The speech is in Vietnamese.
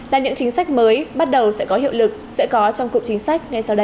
là những chính sách mới bắt đầu sẽ có hiệu lực sẽ có trong cụm chính sách ngay sau đây